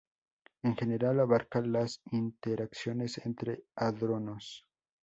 En general abarca las interacciones entre hadrones.